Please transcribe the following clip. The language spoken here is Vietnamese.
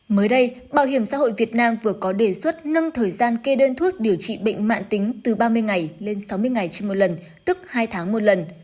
mới đây bảo hiểm xã hội việt nam vừa có đề xuất nâng thời gian kê đơn thuốc điều trị bệnh mạng tính từ ba mươi ngày lên sáu mươi ngày trên một lần tức hai tháng một lần